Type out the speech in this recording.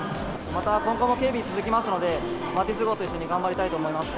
また今後も警備が続きますので、マティス号と一緒に頑張りたいと思います。